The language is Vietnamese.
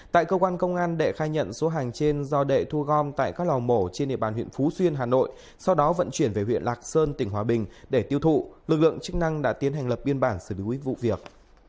tại cơ quan công an đệ khai nhận số hàng trên do đệ thu gom tại các lò mổ trên địa bàn huyện phú xuyên hà nội sau đó vận chuyển về huyện lạc sơn tỉnh hòa bình để tiêu thụ lực lượng chức năng đã tiến hành lập biên bản xử lý vụ việc